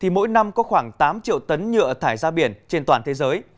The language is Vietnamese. mỗi năm có khoảng tám triệu tấn nhựa thải ra biển trên toàn thế giới